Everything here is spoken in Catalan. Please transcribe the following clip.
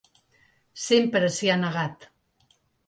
Sempre s’hi ha negat.